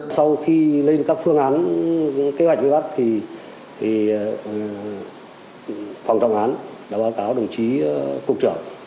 sau khi lên các phương án kế hoạch vây bắt thì phòng thông án đã báo cáo đồng chí cục trưởng